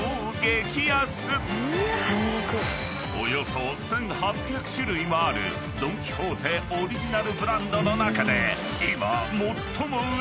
［およそ１，８００種類もあるドン・キホーテオリジナルブランドの中で今］